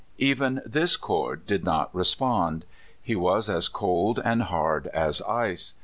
Even this chord did not respond. He was as cold and hard as ice.